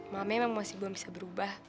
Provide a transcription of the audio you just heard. masih belum bisa berubah